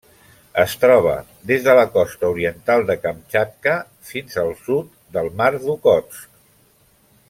Es troba des de la costa oriental de Kamtxatka fins al sud del Mar d'Okhotsk.